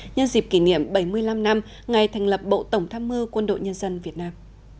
nhân dịp kỷ niệm bảy mươi năm năm ngày thành lập bộ tổng tham mưu quân đội nhân dân việt nam